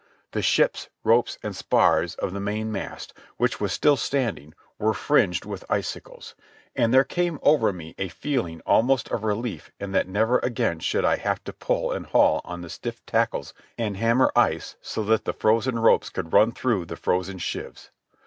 The sails, ropes, and spars of the mainmast, which was still standing, were fringed with icicles; and there came over me a feeling almost of relief in that never again should I have to pull and haul on the stiff tackles and hammer ice so that the frozen ropes could run through the frozen shivs.